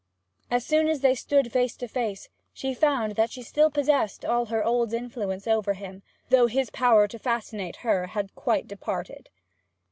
As soon as they stood face to face she found that she still possessed all her old influence over him, though his power to fascinate her had quite departed.